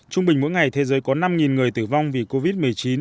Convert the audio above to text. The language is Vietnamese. trung bình mỗi ngày thế giới có năm người tử vong vì covid một mươi chín